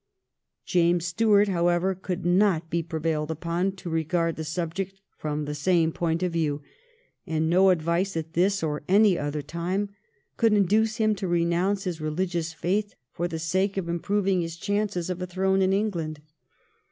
James Stuart, however, could not be prevailed upon to regard the subject from the same point of view, and no advice at this or any other time could induce him to renounce his religious faith for the sake of improving his chances of a throne in England.